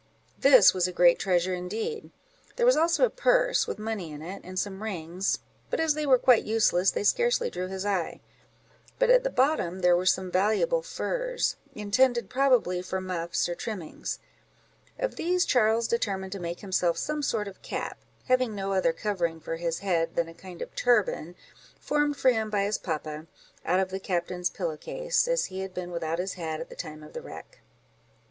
This was a treasure indeed. There was also a purse, with money in it; and some rings, but as they were quite useless, they scarcely drew his eye; but at the bottom were some valuable furs, intended, probably, for muffs or trimmings; of these Charles determined to make himself some sort of a cap, having no other covering for his head than a kind of turban, formed for him by his papa, out of the captain's pillow case, as he had been without his hat at the time of the wreck.